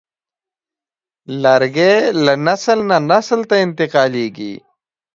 لرګی له نسل نه نسل ته انتقالېږي.